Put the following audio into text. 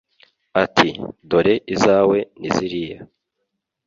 ati:Dore izawe ni ziriya